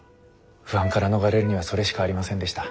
不安から逃れるにはそれしかありませんでした。